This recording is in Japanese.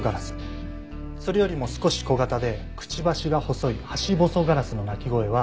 それよりも少し小型でクチバシが細いハシボソガラスの鳴き声は。